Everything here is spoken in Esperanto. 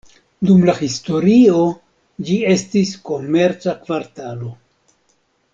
Dum la historio ĝi estis komerca kvartalo.